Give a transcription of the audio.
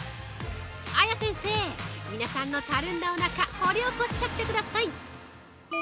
ａｙａ先生、皆さんのたるんだおなか、掘り起こしちゃってください。